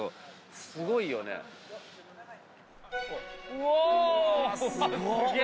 おすげえ！